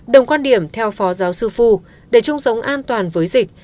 đồng quan điểm theo phó giáo sư phu để chung sống an toàn với dịch